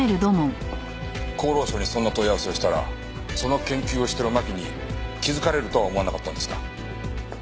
厚労省にそんな問い合わせをしたらその研究をしてる真木に気づかれるとは思わなかったんですか？